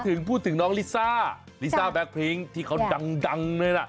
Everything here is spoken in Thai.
ต้องพูดถึงน้องลิซ่าลิซ่าแบบพิงที่เค้าดังเลยนะ